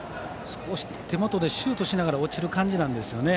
手元でシュートしながら落ちる感じなんですよね。